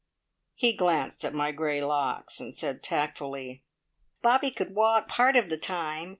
He glanced at my grey locks, and said tactfully: "Bobby could walk part of the time.